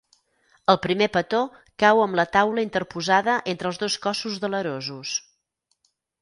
El primer petó cau amb la taula interposada entre els dos cossos delerosos.